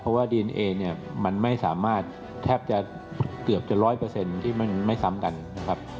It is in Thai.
เพราะว่าดินเองเนี่ยมันไม่สามารถแทบจะเกือบจะ๑๐๐ที่มันไม่ซ้ำกันนะครับ